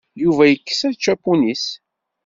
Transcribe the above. Yuba yekkes ačapun-is.